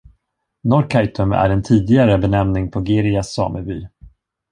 Norrkaitum är en tidigare benämning på Girjas sameby.